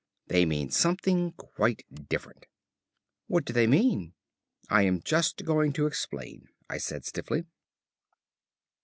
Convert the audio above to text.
They mean something quite different." "What do they mean?" "I am just going to explain," I said stiffly.